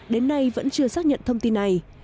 đến nay vẫn chưa xác nhận thông tin này